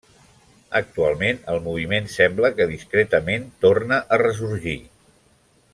Actualment, el moviment, sembla que, discretament, torna a ressorgir.